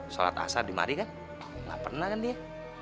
salat asal di mari kan gak pernah kan dia